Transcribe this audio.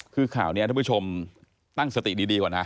คือข่าวนี้ท่านผู้ชมตั้งสติดีก่อนนะ